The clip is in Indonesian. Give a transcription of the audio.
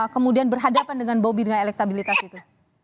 kemudian berhadapan dengan bobi dengan elektabilitas itu